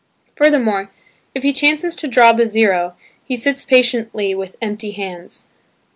Furthermore if he chances to draw the zero he sits patiently with empty hands.